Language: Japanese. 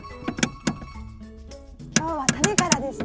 今日はタネからですね？